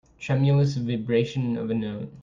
Tremulous vibration of a note.